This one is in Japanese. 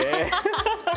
ハハハハ！